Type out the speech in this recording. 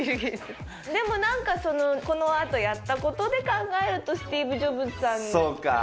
でも何かそのこのあとやった事で考えるとスティーブ・ジョブズさんが。